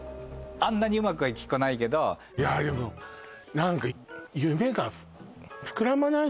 あんなにうまくはいきっこないけどいやでも何か夢が膨らまない？